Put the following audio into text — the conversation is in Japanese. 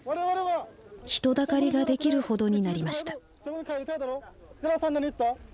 人だかりが出来るほどになりました。